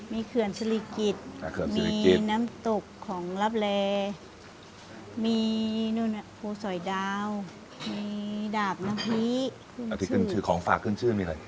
มีน้ำตุกของลับแลมีนู่นนั่นภูสอยดาวมีดาบน้ำฮีของฝากขึ้นชื่อมีอะไร